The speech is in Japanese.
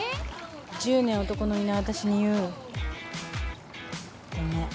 １０年男のいない私に言う？ごめん。